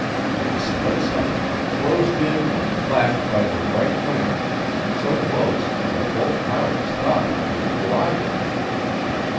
In a split second it closed in and flashed by their right wing so close that both pilots thought that they would collide with it.